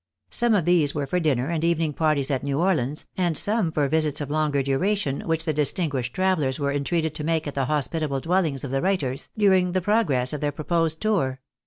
Some of these were for dinner and evening parties at New Orleans, and some for visits of longer duration, which the distinguished travellers were entreated to make at the hospitable dwellings of the writers, during the progress of their proposed tour.